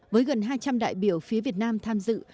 với gần hai trăm linh đại biểu phía việt nam tham dự